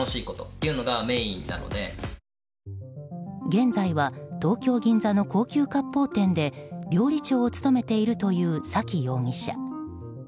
現在は東京・銀座の高級割烹店で料理長を務めているという崎容疑者。